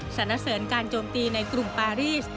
เสนอเสริญการโจมตีในกรุงปารีส